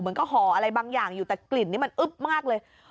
เหมือนก็ห่ออะไรบางอย่างอยู่แต่กลิ่นนี้มันอึ๊บมากเลย